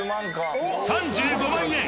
３５万円